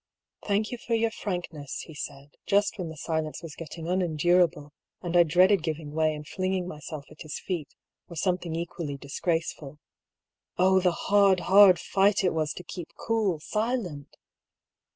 " Thank you for your frankness," he said, just when the silence was getting unendurable, and I dreaded giv ing way and flinging myself at his knees, or something equally disgraceful. Oh, the hard, hard fight it was to keep cool, silent